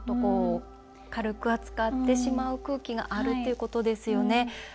軽く扱ってしまう空気があるということですよね。